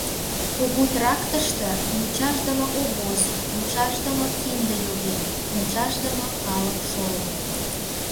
Кугу трактыште мучашдыме обоз, мучашдыме кинде йоген, мучашдыме калык шолын.